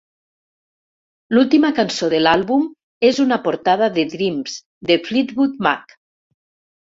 L"última cançó de l"àlbum és una portada de "Dreams" de Fleetwood Mac.